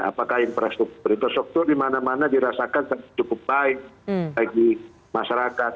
apakah infrastruktur di mana mana dirasakan cukup baik bagi masyarakat